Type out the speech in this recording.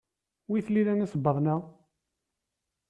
Wi t-nilan isebbaḍen-a?